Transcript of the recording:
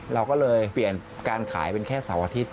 เราก็เลยเปลี่ยนการขายเป็นแค่เสาร์อาทิตย์